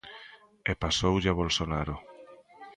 E pasoulle a Bolsonaro.